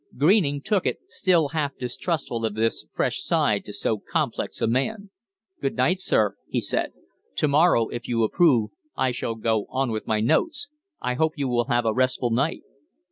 Greening took it, still half distrustful of this fresh side to so complex a man. "Good night, sir," he said. "To morrow, if you approve, I shall go on with my notes. I hope you will have a restful night."